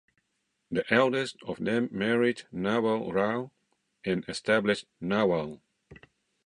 The eldest of them married Nawal Rao and established Nawal.